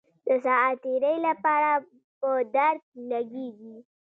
د ساعت تیرۍ لپاره په درد لګېږي.